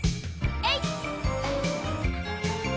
えい！